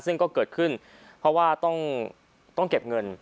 ซึ่งก็เกิดขึ้นเพราะว่าต้องเก็บเงิน